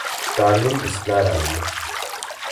تعلیم اصلاح راولي.